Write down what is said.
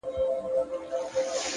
پرلپسې هڅه خنډونه کمزوري کوي.